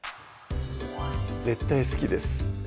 絶対好きです